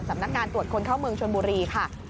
สำนักงานตรวจคนเข้าเมืองชนบุรีค่ะ